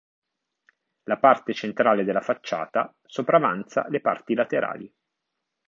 La parte centrale della facciata sopravanza le parti laterali.